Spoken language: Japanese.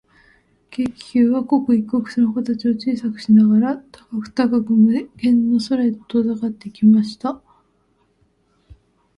軽気球は、刻一刻、その形を小さくしながら、高く高く、無限の空へと遠ざかっていきました。かごの中のふたりの姿は、とっくに見えなくなっていました。